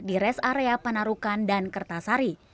di res area penarukan dan kertasari